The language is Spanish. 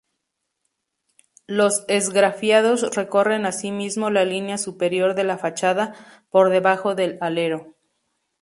Los esgrafiados recorren asimismo la línea superior de la fachada, por debajo del alero.